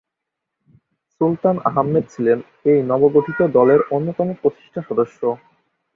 সুলতান আহমেদ ছিলেন এই নবগঠিত দলের অন্যতম প্রতিষ্ঠাতা-সদস্য।